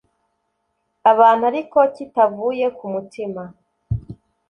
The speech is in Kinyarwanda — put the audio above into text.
abantu ariko kitavuye ku mutima.